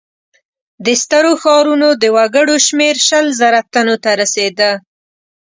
د سترو ښارونو د وګړو شمېر شل زره تنو ته رسېده.